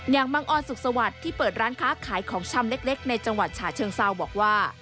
บังออนสุขสวัสดิ์ที่เปิดร้านค้าขายของชำเล็กในจังหวัดฉะเชิงเซาบอกว่า